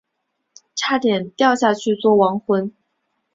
差点掉下去做亡魂